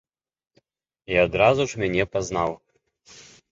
І адразу ж мяне пазнаў!